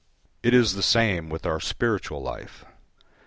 It is the same with our spiritual life.